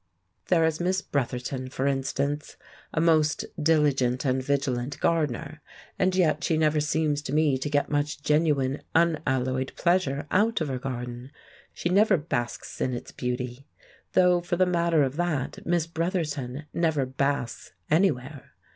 There is Miss Bretherton, for instance, a most diligent and vigilant gardener. And yet she never seems to me to get much genuine, unalloyed pleasure out of her garden; she never basks in its beauty—though for the matter of that Miss Bretherton never basks anywhere!